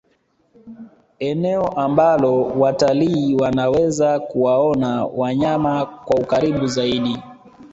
eneo ambalo watalii wanaweza kuwaona wanyama kwa ukaribu zaidi